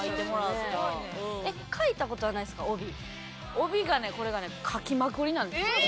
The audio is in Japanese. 帯がねこれがね書きまくりなんですよ。